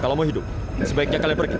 kalau mau hidup sebaiknya kalian pergi